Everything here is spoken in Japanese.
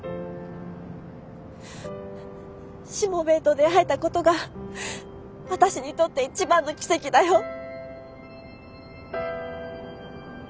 しもべえと出会えたことが私にとって一番の奇跡だよ。